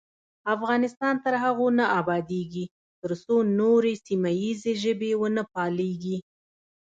افغانستان تر هغو نه ابادیږي، ترڅو نورې سیمه ییزې ژبې ونه پالیږي.